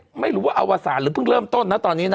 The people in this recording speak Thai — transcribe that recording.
ตอนนี้ไม่รู้ว่าเอาวศาลหรือเพิ่งเริ่มต้นนะตอนนี้นะ